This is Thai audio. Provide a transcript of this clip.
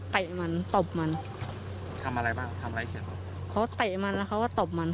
เตะมันตบมันทำอะไรบ้างทำอะไรเสียงเขาเตะมันแล้วเขาก็ตบมัน